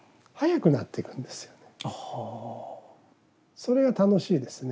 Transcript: それが楽しいですね。